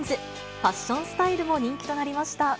ファッションスタイルも人気となりました。